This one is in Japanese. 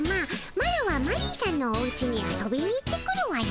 マロはマリーさんのおうちに遊びに行ってくるわね。